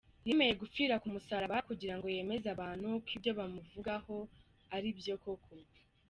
Yemeye gupfira ku musaraba kugira ngo yemeze abantu ko ibyo bamuvugagaho ari byo koko.